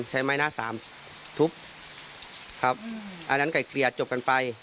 ใช้ไม้หน้าสามทุบครับอันนั้นไก่เกลี่ยจบกันไป